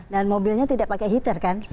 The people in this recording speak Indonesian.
dan mobilnya tidak pakai heater kan